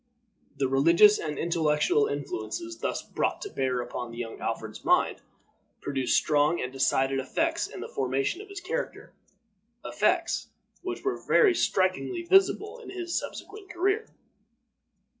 The religious and intellectual influences thus brought to bear upon the young Alfred's mind produced strong and decided effects in the formation of his character effects which were very strikingly visible in his subsequent career.